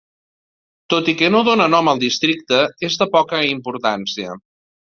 Tot i que dona nom al districte, és de poca importància.